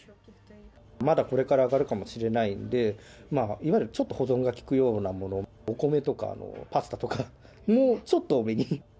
まだこれから上がるかもしれないんで、いわゆるちょっと保存が利くようなもの、お米とか、パスタとか、ちょっと多めに。